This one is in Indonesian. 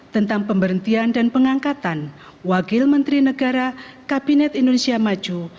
tentang pemberhentian dan pengangkatan wakil menteri negara kabinet indonesia maju